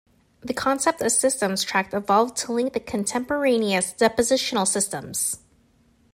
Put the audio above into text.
The concept of systems tract evolved to link the contemporaneous depositional systems.